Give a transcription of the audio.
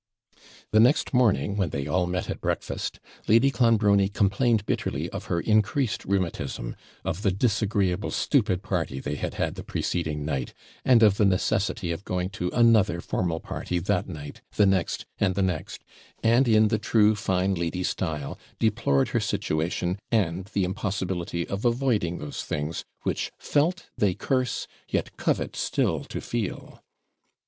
The next morning, when they all met at breakfast, Lady Clonbrony complained bitterly of her increased rheumatism, of the disagreeable, stupid party they had had the preceding night, and of the necessity of going to another formal party that night, the next, and the next, and, in the true fine lady style, deplored her situation, and the impossibility of avoiding those things, Which felt they curse, yet covet still to feel.